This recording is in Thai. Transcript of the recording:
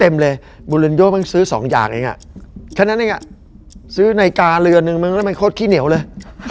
มันเหนียวเลย